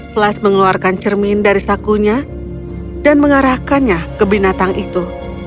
flash mengeluarkan cermin dari sakunya dan mengarahkannya ke binatang itu